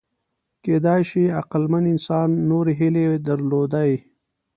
کېدای شي عقلمن انسان نورې هیلې درلودې.